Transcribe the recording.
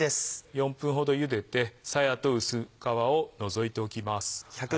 ４分ほどゆでてさやと薄皮を除いておきます。